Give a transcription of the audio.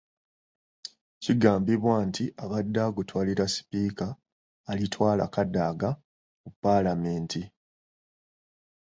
Kigambibwa nti abadde agutwalira sipiika Alitwala Kadaga ku ppaalamenti.